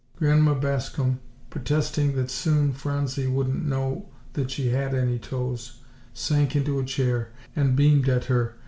Grandma Bascom, protesting that soon Phronsie wouldn't know that she had any toes, sank into a chair and beamed at her.